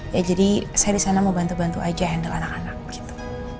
ya jadi saya di sana mau bantu bantu aja handle anak anak gitu